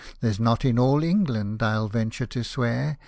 I There's not in all England, I'd venture to swear